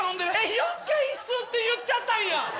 「４京っす」って言っちゃったんや。